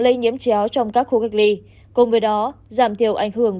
lây nhiễm chéo trong các khu cách ly cùng với đó giảm thiểu ảnh hưởng